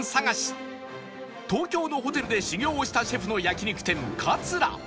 東京のホテルで修業をしたシェフの焼肉店カツラ